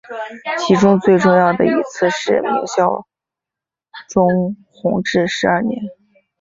其中最重要的一次是明孝宗弘治十二年。